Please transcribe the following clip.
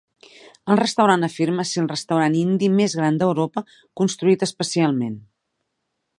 El restaurant afirma ser el restaurant indi més gran d'Europa construït especialment.